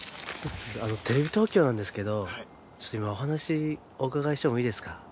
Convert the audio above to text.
テレビ東京なんですけどちょっと今お話お伺いしてもいいですか？